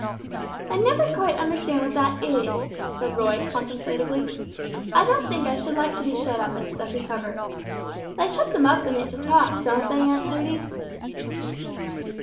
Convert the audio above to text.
"I never quite understand what that is," said Roy, contemplatively. "I don't think I should like to be shut up in a stuffy cupboard. They shut them up in it to talk, don't they, Aunt Judy?"